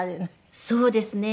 そうですね。